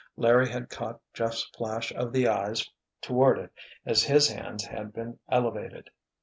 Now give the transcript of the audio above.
Larry had caught Jeff's flash of the eyes toward it as his hands had been elevated.